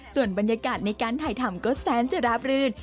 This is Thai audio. ส่วนบรรยากาศในการถ่ายทำก็แสนจะราบรื่น